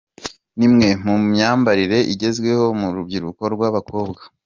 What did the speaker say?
Ni imwe mu myambarire igezweho mu rubyiruko rw’abakobwa.